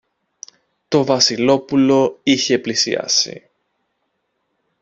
Το Βασιλόπουλο είχε πλησιάσει